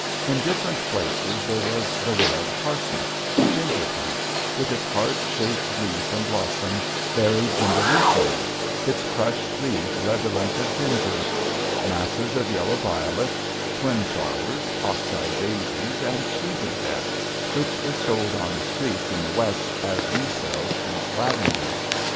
In different places there was the wild parsnip; the ginger plant, with its heart shaped leaf and blossom, buried in the leaf mould, its crushed leaves redolent of ginger; masses of yellow violets, twinflowers, ox eye daisies, and sweet in death, which is sold on the streets in the West as we sell sweet lavender.